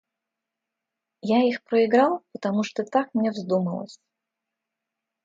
Я их проиграл, потому что так мне вздумалось.